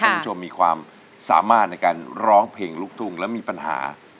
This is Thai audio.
คุณผู้ชมมีความสามารถในการร้องเพลงลูกทุ่งแล้วมีปัญหา